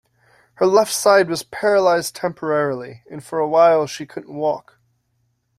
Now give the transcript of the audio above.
Her left side was paralyzed temporarily, and for a while she couldn't walk.